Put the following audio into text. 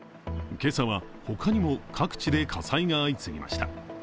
今朝は、ほかにも各地で火災が相次ぎました。